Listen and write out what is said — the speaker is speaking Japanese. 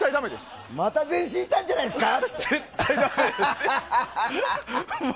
また前進したんじゃないですか？